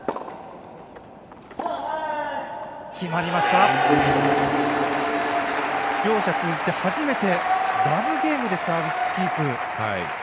決まりました！両者通じて初めてラブゲームでサービスキープ。